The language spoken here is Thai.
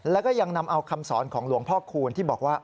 แล้วก็ยังนำเอาคำสอนของหลวงพ่อคูณที่บอกว่า